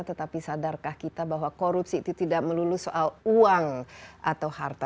tetapi sadarkah kita bahwa korupsi itu tidak melulu soal uang atau harta